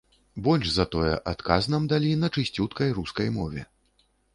Больш за тое, адказ нам далі на чысцюткай рускай мове.